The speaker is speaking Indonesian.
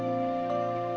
sudah memaafkan elsa